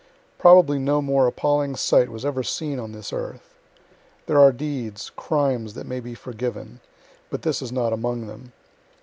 Probably no more appalling sight was ever seen on this earth. (There are deeds, crimes, that may be forgiven; but this is not among them.